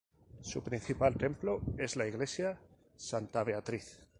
Su principal templo es la Iglesia Santa Beatriz.